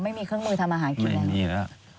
ไม่มีแล้ว